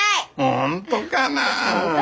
本当かな？